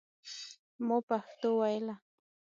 ما پښتو ویله.